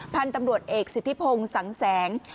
พันธุ์ตำรวจเอกสิทธิพงศ์สังแสง